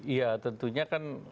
iya tentunya kan